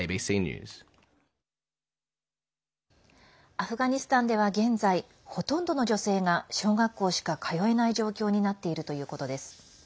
アフガニスタンでは現在ほとんどの女性が小学校しか通えない状況になっているということです。